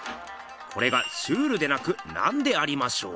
これがシュールでなくなんでありましょう？